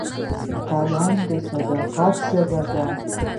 قلم د صداقت ژبه ده